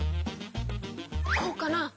こうかな？